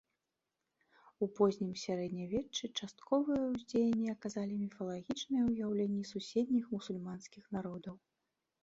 У познім сярэднявеччы частковае ўздзеянне аказалі міфалагічныя ўяўленні суседніх мусульманскіх народаў.